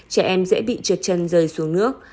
trẻ em dễ bị trượt chân rơi xuống nước